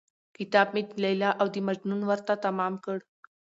كتاب مې د ليلا او د مـجنون ورته تمام كړ.